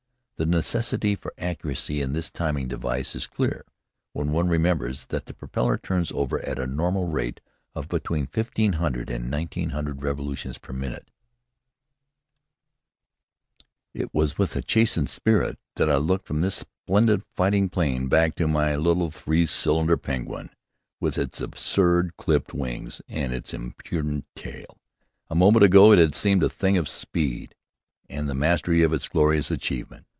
The necessity for accuracy in this timing device is clear, when one remembers that the propeller turns over at a normal rate of between fifteen hundred and nineteen hundred revolutions per minute. It was with a chastened spirit that I looked from this splendid fighting 'plane, back to my little three cylinder Penguin, with its absurd clipped wings and its impudent tail. A moment ago it had seemed a thing of speed, and the mastery of it a glorious achievement.